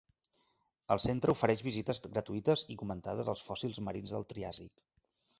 El centre ofereix visites gratuïtes i comentades als fòssils marins del triàsic.